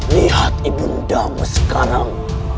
lihat ibu andamu sekarang